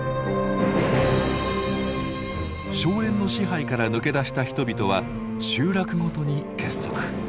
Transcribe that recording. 荘園の支配から抜け出した人々は集落ごとに結束。